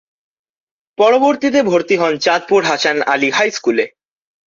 পরবর্তীতে ভর্তি হন চাঁদপুরের হাসান আলী হাই স্কুলে।